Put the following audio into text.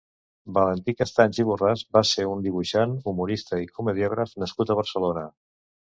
Valentí Castanys i Borràs va ser un dibuixant, humorista i comediògraf nascut a Barcelona.